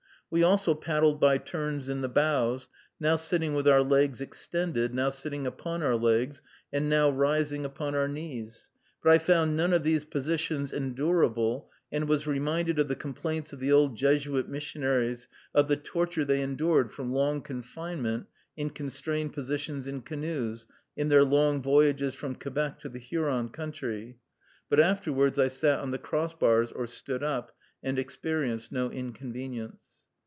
We also paddled by turns in the bows, now sitting with our legs extended, now sitting upon our legs, and now rising upon our knees; but I found none of these positions endurable, and was reminded of the complaints of the old Jesuit missionaries of the torture they endured from long confinement in constrained positions in canoes, in their long voyages from Quebec to the Huron country; but afterwards I sat on the cross bars, or stood up, and experienced no inconvenience.